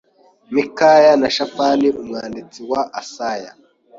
Mikaya na Shafani umwanditsi na Asaya